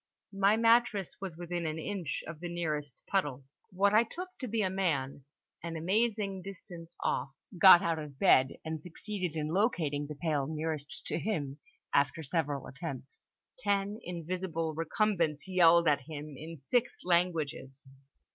My mattress was within an inch of the nearest puddle. What I took to be a man, an amazing distance off, got out of bed and succeeded in locating the pail nearest to him after several attempts. Ten invisible recumbents yelled at him in six languages.